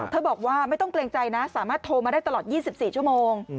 บอกว่าไม่ต้องเกรงใจนะสามารถโทรมาได้ตลอด๒๔ชั่วโมง